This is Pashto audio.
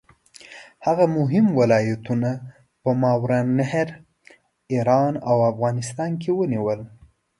هغه مهم ولایتونه په ماوراالنهر، ایران او افغانستان کې ونیول.